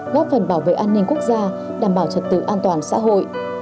góp phần bảo vệ an ninh quốc gia đảm bảo trật tự an toàn xã hội